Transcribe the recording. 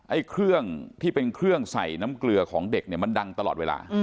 ไอ้เครื่องที่เป็นเครื่องใส่น้ำเกลือของเด็กเนี่ยมันดังตลอดเวลา